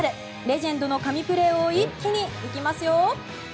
レジェンドの神プレーを一気にいきますよ！